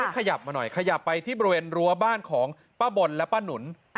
ขยับมาหน่อยขยับไปที่บริเวณรั้วบ้านของป้าบนและป้านุ่น